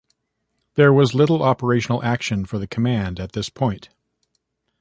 There was little operational action for the Command at this point.